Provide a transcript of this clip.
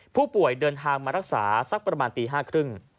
ผู้ป่วยเดินทางมารักษาสักประมาณตี๕๓๐น